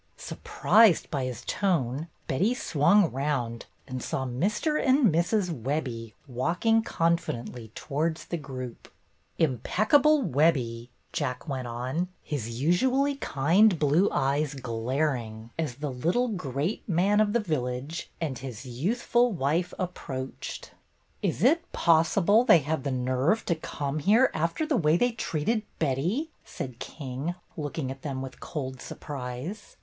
'' Surprised by his tone, Betty swung round and saw Mr. and Mrs. Webbie walking con fidently towards the group. "'Impeccable Webbie!'" Jack went on, his usually kind blue eyes glaring, as the little great man of the village and his youthful wife approached. "Is it possible they have the nerve to come here after the way they treated Betty?" said King, looking at them with cold surprise.